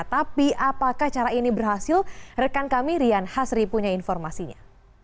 tapi apakah cara ini berhasil rekan kami rian hasri punya informasinya